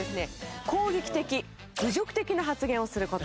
攻撃的侮辱的な発言をする事。